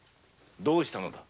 どうしたのだ？